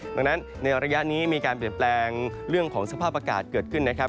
ดังนั้นในระยะนี้มีการเปลี่ยนแปลงเรื่องของสภาพอากาศเกิดขึ้นนะครับ